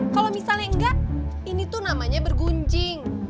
kalau misalnya enggak ini tuh namanya bergunjing